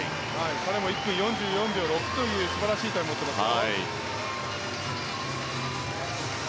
これも１分４４秒６という素晴らしいタイムを持っています。